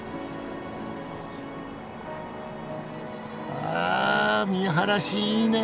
あ見晴らしいいねえ。